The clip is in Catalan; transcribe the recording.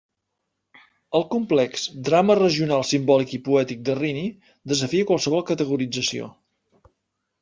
El complex drama regional simbòlic i poètic de Reaney desafia qualsevol categorització.